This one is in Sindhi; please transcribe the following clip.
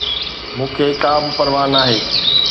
مون کي ڪابه پرواهه ناهي